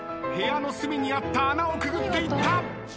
部屋の隅にあった穴をくぐっていった。